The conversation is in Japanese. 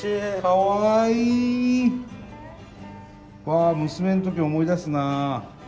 わ娘の時思い出すな。